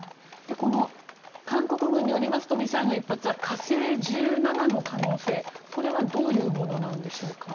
この韓国軍によりますとミサイルの１発は「火星１７」の可能性、これはどういうものなんでしょうか。